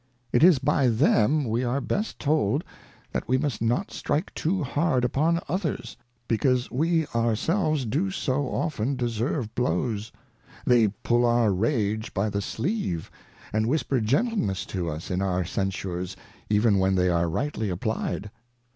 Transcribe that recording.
It is by them we are best told, that we must not strike too hard upon others, because we our selves do so often deserve Blows : They pull our Rage by the Sleeve, and whisper Gentleness to us in our Censures, even when they are rightly "applied.